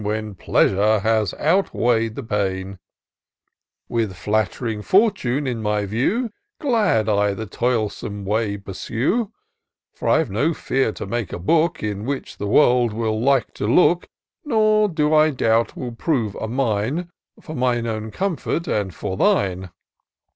When pleasure has outweigh'd the pain ; With flatt'ring Fortune in my view, Glad I the toilsome way pursue ; For I've no fear to make a book, In which the world will like to look ; Nor do I doubt will prove a mine For my own comfort, and for thine